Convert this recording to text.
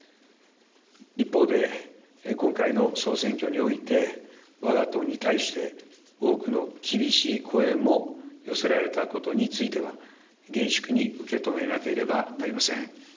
一方で、今回の総選挙において、わが党に対して、多くの厳しい声も寄せられたことについては、厳粛に受け止めなければなりません。